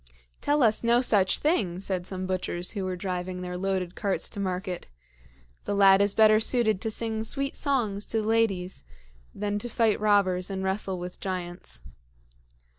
"Tell us no such thing!" said some butchers who were driving their loaded carts to market. "The lad is better suited to sing sweet songs to the ladies than to fight robbers and wrestle with giants."